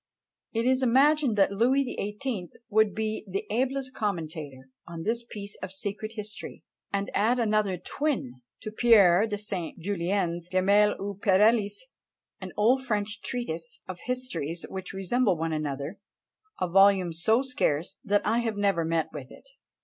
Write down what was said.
It is imagined that Louis the Eighteenth would be the ablest commentator on this piece of secret history, and add another twin to Pierre de Saint Julien's "Gemelles ou Pareiles," an old French treatise of histories which resemble one another: a volume so scarce, that I have never met with it.